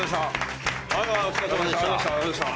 お疲れさまでした。